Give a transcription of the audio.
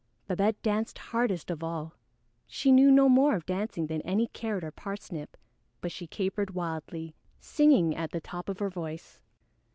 Babette danced hardest of all. She knew no more of dancing than any Carrot or Parsnip, but she capered wildly, singing at the top of her voice.